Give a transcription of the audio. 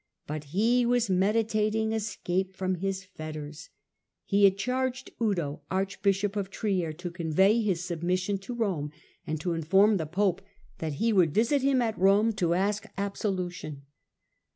But he was meditating escape from his fetters. He had charged Udo, archbishop of Trier, to convey his submission to Rome, and to inform the pope that he would visit him at Rome to ask absolution.